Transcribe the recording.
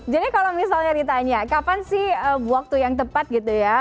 jadi kalau misalnya ditanya kapan sih waktu yang tepat gitu ya